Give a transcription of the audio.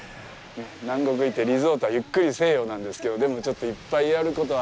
南国行って、リゾートはゆっくりせえよなんですけど、でもちょっといっぱいやることは。